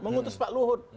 mengutus pak luhut